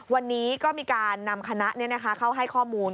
วันนี้ก็มีการนำคณะเข้าให้ข้อมูล